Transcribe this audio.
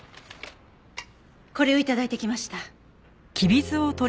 これを頂いてきました。